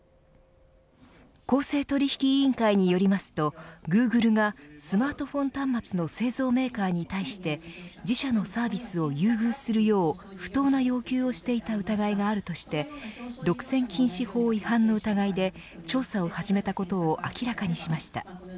公正取引委員会によりますとグーグルがスマートフォン端末の製造メーカーに対して自社のサービスを優遇するよう不当な要求をしていた疑いがあるとして独占禁止法違反の疑いで調査を始めたことを明らかにしました。